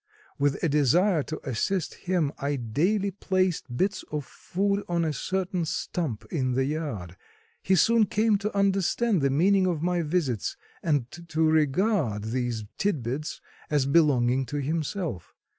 With a desire to assist him I daily placed bits of food on a certain stump in the yard. He soon came to understand the meaning of my visits and to regard these tit bits as belonging to himself.